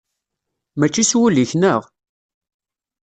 Mačči s wul-ik, neɣ?